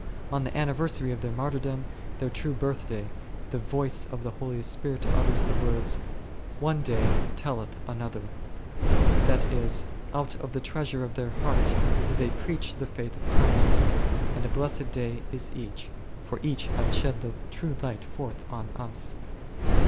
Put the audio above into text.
on the anniversary of their martyrdom, their true birth day, the voice of the Holy Spirit utters the words, One day telleth another 1 , that is, out of the treasure of their heart they preach the faith of Christ ; and a blessed day is each, for each hath shed the true light forth on us.